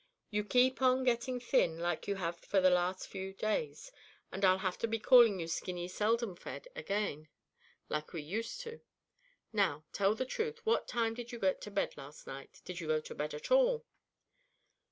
You keep on getting thin like you have for the past few days and I'll have to be calling you Skinny Seldom fed again, like we used to. Now, tell the truth, what time did you get to bed last night? Did you go to bed at all?"